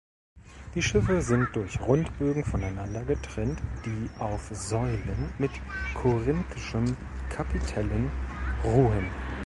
Die Schiffe sind durch Rundbögen voneinander getrennt, die auf Säulen mit korinthischen Kapitellen ruhen.